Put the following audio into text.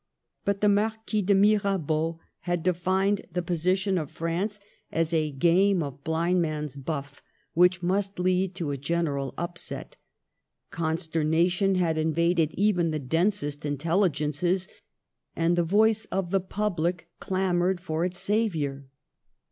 But the Marquis de Mira beau had defined the position of France as " a Digitized by VjOOQIC 38 ' MADAME DE STAEL. game of blind man's buff which must lead to a general upset "; consternation had invaded even the densest intelligences ; and the voice of the public clamored for its savior.